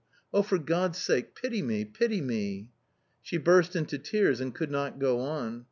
Oh, for God's sake, pity me, pity me !" She burst into tears and could not go on.